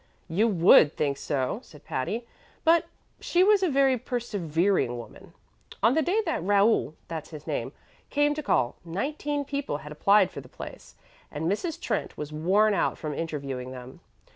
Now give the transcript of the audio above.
"You would think so," said Patty; "but she was a very persevering woman. On the day that Raoul that's his name came to call, nineteen people had applied for the place, and Mrs. Trent was worn out from interviewing them.